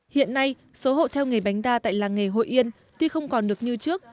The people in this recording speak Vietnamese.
hiện nay số hộ theo nghề bánh đa tại làng nghề hội yên tuy không còn được như trước